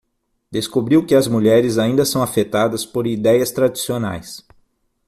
Descobriu que as mulheres ainda são afetadas por idéias tradicionais